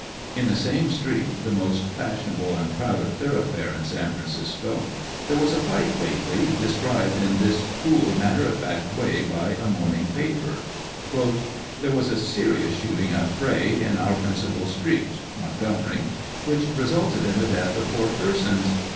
In the same street — the most fashionable and crowded thoroughfare in San Francisco — there was a fight lately de scribed in this cool matter of fact way by a morning paper :" There was a serious shooting affray in our principal street (Montgomery), which resulted in the death of four persons.